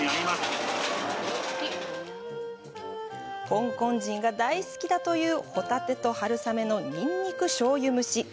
香港人が大好きだというホタテと春雨のニンニク醤油蒸し。